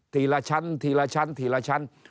ละชั้นทีละชั้นทีละชั้น